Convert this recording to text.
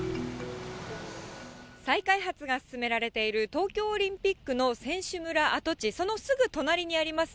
再開発が進められている東京オリンピックの選手村跡地、そのすぐ隣にあります